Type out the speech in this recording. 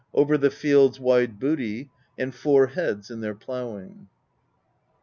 O'er the field's wide booty, and four heads in their plowing. II.